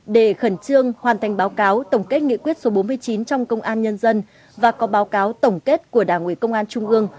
để khẩn trương hoàn thành báo cáo tổng kết nghị quyết số bốn mươi chín trong công an nhân dân và có báo cáo tổng kết của đảng ủy công an trung ương